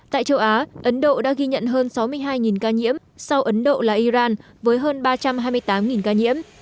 tại châu á ấn độ đã ghi nhận hơn sáu mươi hai ca nhiễm sau ấn độ là iran với hơn ba trăm hai mươi tám ca nhiễm